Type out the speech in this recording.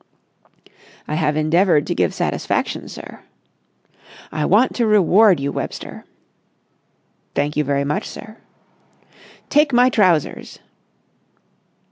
"I have endeavoured to give satisfaction, sir." "I want to reward you, Webster." "Thank you very much, sir." "Take my trousers!"